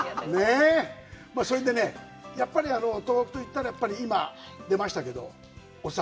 それでね、やっぱり東北といったら、今、出ましたけど、お酒。